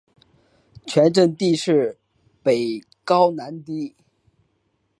全镇地势北高南低。